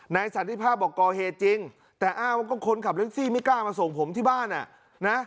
นายสันติภาพบอกกเฮจริงแต่อ้าวว่าก็คนขับเร็กซี่ไม่กล้ามาส่งผมที่บ้าน